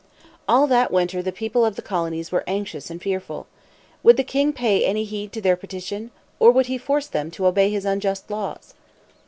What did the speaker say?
All that winter the people of the colonies were anxious and fearful. Would the king pay any heed to their petition? Or would he force them to obey his unjust laws?